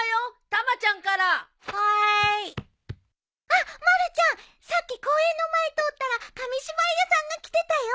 あっまるちゃんさっき公園の前通ったら紙芝居屋さんが来てたよ。